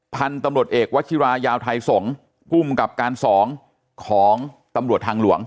พันธุ์ตำรวจเอกวัชิรายาวไทยสงศ์ภูมิกับการ๒ของตำรวจทางหลวง